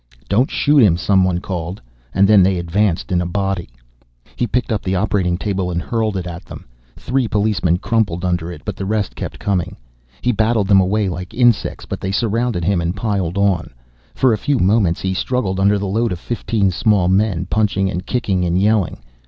"Don't shoot him," someone called. And then they advanced in a body. He picked up the operating table and hurled it at them. Three policemen crumpled under it, but the rest kept coming. He batted them away like insects, but they surrounded him and piled on. For a few moments he struggled under the load of fifteen small men, punching and kicking and yelling.